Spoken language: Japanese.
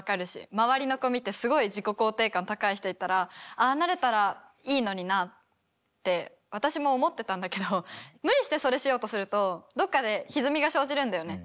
周りの子見てすごい自己肯定感高い人いたら「ああなれたらいいのにな」って私も思ってたんだけど無理してそれしようとするとどこかでひずみが生じるんだよね。